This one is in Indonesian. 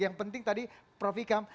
yang penting tadi prof ikam